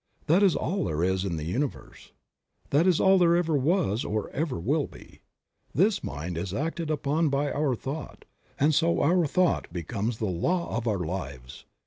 That is all there is in the Universe. 12 Creative Mind. That is all there ever was or ever will be. This mind is acted upon by our thought, and so our thought becomes the law of our lives.